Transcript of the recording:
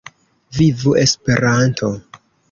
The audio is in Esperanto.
Vivu Esperanto!